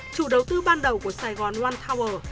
chủ đầu tư ban đầu của sài gòn wal tower